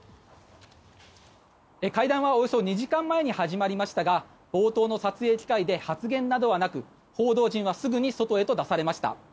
会談はおよそ２時間前に始まりましたが冒頭の撮影機会で発言などはなく報道陣はすぐに外へと出されました。